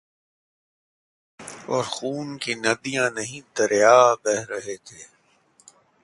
اورخون کی ندیاں نہیں دریا بہہ رہے تھے۔